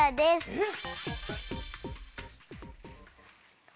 えっ？